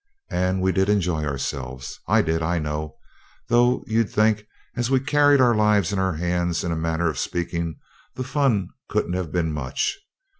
And we did enjoy ourselves. I did, I know; though you'd think, as we carried our lives in our hands, in a manner of speaking, the fun couldn't have been much.